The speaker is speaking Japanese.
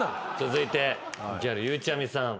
続いてギャルゆうちゃみさん。